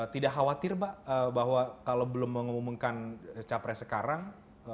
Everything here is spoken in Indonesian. tidak khawatir mbak bahwa kalau belum mengumumkan capres sekarang